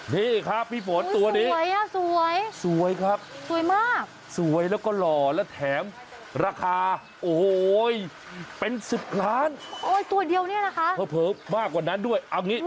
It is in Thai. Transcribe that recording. นี่ครับพี่ฝนตัวนี้โอ้ยสวยครับสวยมากสวยสวย